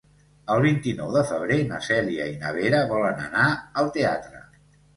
El vint-i-nou de febrer na Cèlia i na Vera volen anar al teatre.